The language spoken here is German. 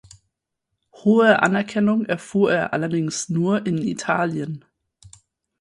Hohe Anerkennung erfuhr er allerdings nur in Italien.